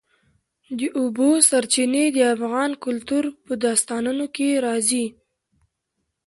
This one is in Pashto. د اوبو سرچینې د افغان کلتور په داستانونو کې راځي.